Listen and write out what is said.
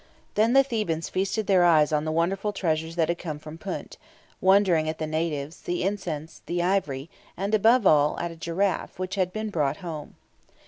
Then the Thebans feasted their eyes on the wonderful treasures that had come from Punt, wondering at the natives, the incense, the ivory, and, above all, at a giraffe which had been brought home.